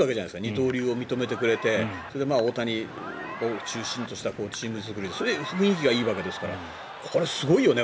二刀流を認めてくれて大谷を中心としたチーム作りでそれで雰囲気がいいわけですからこれはすごいよね。